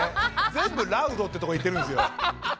全部ラウドってとこいってるんですよ。